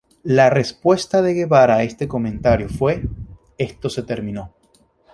La respuesta de Guevara a este comentario fue: "esto se terminó"